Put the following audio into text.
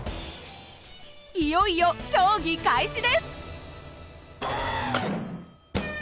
いよいよ競技開始です。